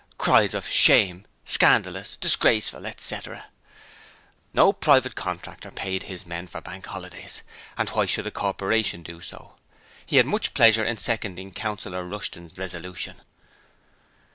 (Cries of 'shame', 'Scandalous', 'Disgraceful', etc.) No private contractor paid his men for Bank Holidays, and why should the Corporation do so? He had much pleasure in seconding Councillor Rushton's resolution.